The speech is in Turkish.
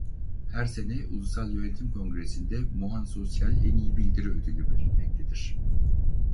Her sene Ulusal Yönetim Kongresinde Muhan Soysal En İyi Bildiri Ödülü verilmektedir.